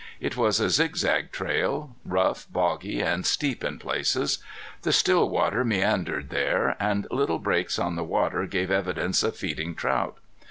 It was a zigzag trail, rough, boggy, and steep in places. The Stillwater meandered here, and little breaks on the water gave evidence of feeding trout.